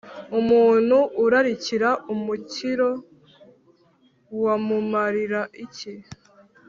umuntu urarikira, umukiro wamumarira iki?